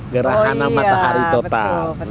gerhana matahari total